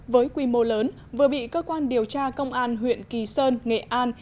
với quy mô lớn vừa bị cơ quan điều tra công an huyện kỳ sơn nghệ an